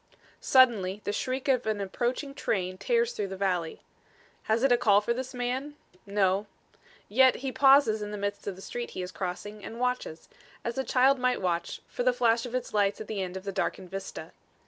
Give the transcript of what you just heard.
Suddenly the shriek of an approaching train tears through the valley. Has it a call for this man? No. Yet he pauses in the midst of the street he is crossing and watches, as a child might watch, for the flash of its lights at the end of the darkened vista.